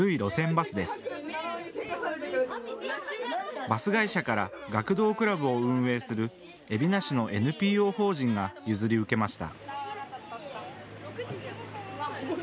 バス会社から学童クラブを運営する海老名市のＮＰＯ法人が譲り受けました。